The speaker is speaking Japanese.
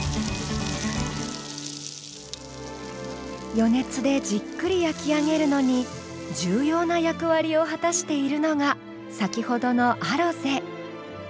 余熱でじっくり焼き上げるのに重要な役割を果たしているのが先ほどのアロゼ。